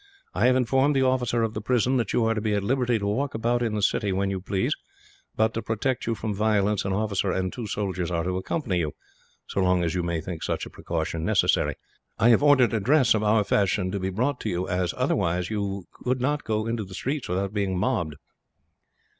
I have informed the officer of the prison that you are to be at liberty to walk about in the city, when you please; but that to protect you from violence, an officer and two soldiers are to accompany you, so long as you may think such a precaution necessary. I have ordered a dress of our fashion to be brought to you as, otherwise, you could not go into the streets without being mobbed."